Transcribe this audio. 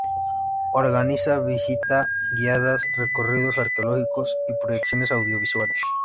Organiza visitas guiadas, recorridos arqueológicos y proyecciones audiovisuales..